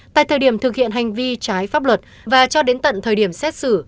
tại thời điểm thực hiện hành vi trái pháp luật và cho đến tận thời điểm xét xử